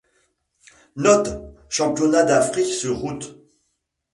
Note: Championnat d'Afrique sur route.